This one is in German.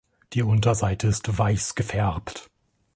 Die Unterseite ist weiß gefärbt.